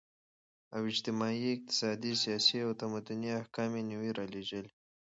او اجتماعي، اقتصادي ، سياسي او تمدني احكام ئي نوي راليږلي